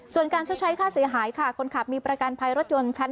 ส่วนการชดใช้ค่าเสียหายค่ะคนขับมีประกันภัยรถยนต์ชั้น